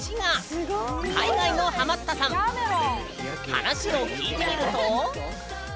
話を聞いてみると。